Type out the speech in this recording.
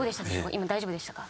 今大丈夫でしたか？